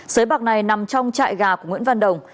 xới bạc này nằm trong chạy gà của nguyễn văn đồng